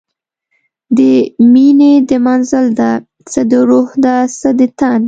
د میینې د منزل ده، څه د روح ده څه د تن